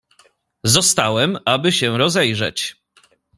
"Zostałem, aby się rozejrzeć."